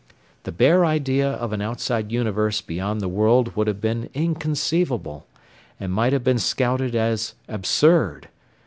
The bare idea of an outside universe beyond the world would have been inconceivable, and might have been scouted as absurd.